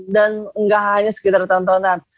dan gak hanya sekitar tontonan